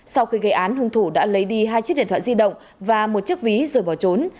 sau khi gây án hung thủ đã lấy đi hai chiếc điện thoại di động và một chiếc ví rồi bỏ trốn